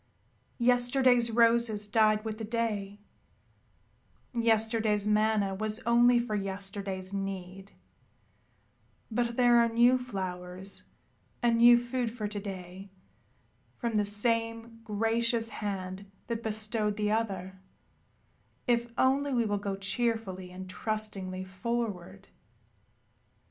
Yesterday's roses died with the day, yesterday's manna was only for yesterday's need, but there are new flowers and new food for to day from the same gracious hand that bestowed the other, if only we will go cheerfully and trustingly forward.